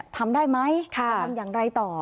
ทำได้ไหมจะทำอย่างไรต่อ